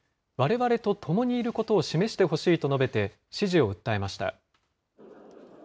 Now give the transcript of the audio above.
われわれと共にいることを示してほしいと述べて、支持を訴えました。